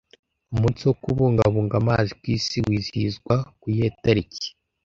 Umunsi wo kubungabunga amazi ku isi wizihizwa ku yihe tariki